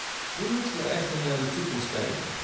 Nu moeten we echter naar de toekomst kijken.